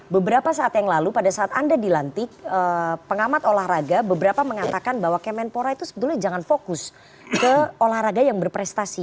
beberapa saat yang lalu pada saat anda dilantik pengamat olahraga beberapa mengatakan bahwa kemenpora itu sebetulnya jangan fokus ke olahraga yang berprestasi